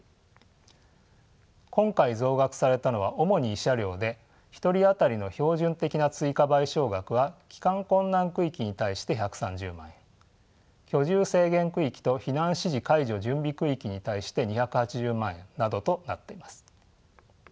今回増額されたのは主に慰謝料で１人当たりの標準的な追加賠償額は帰還困難区域に対して１３０万円居住制限区域と避難指示解除準備区域に対して２８０万円などとなっています。